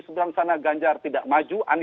mas ganjar tidak maju